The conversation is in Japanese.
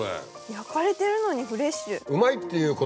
焼かれてるのにフレッシュ。